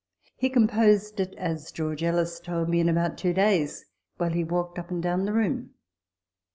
He composed it (as George Ellis told me) in about, two days, while he walked up and down the room.